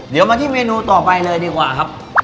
เดี๋ยวมาที่เมนูต่อไปเลยดีกว่าครับ